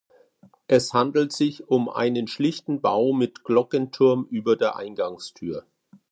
Es handelt sich um einen schlichten Bau mit Glockenturm über der Eingangstür.